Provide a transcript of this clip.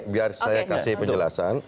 biar saya kasih penjelasan